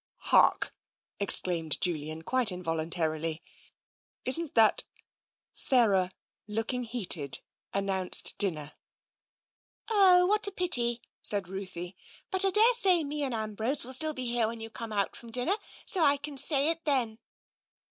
" Hark !" exclaimed Julian, quite involimtarily. "Isn't that ?" Sarah, looking heated, announced dinner. " Oh, what a pity !" said Ruthie. " But I daresay me and Ambrose will be still here when you come out from dinner. So I can say it then."